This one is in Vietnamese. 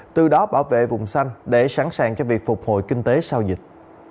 từ đó bảo vệ vùng xanh để sẵn sàng cho việc phục hồi kinh tế sau dịch